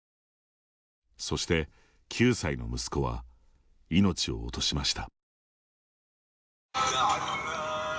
そして、９歳の息子は命を落としました。